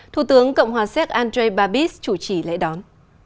thủ tướng cộng hòa séc andrei babis chủ trì lễ đón